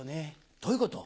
どういうこと？